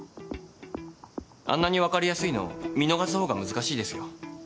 あんなに分かりやすいの見逃す方が難しいですよ。